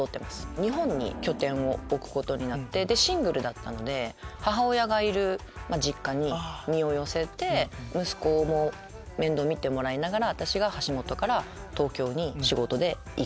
日本に拠点を置くことになってシングルだったので母親がいる実家に身を寄せて息子の面倒見てもらいながら私が橋本から東京に仕事で行く。